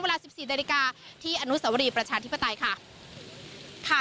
เวลา๑๔นาฬิกาที่อนุสวรีประชาธิปไตยค่ะ